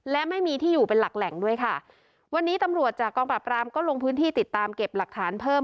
และไม่มีที่อยู่เป็นหลักแหล่งด้วยค่ะวันนี้ตำรวจจากกองปราบรามก็ลงพื้นที่ติดตามเก็บหลักฐานเพิ่ม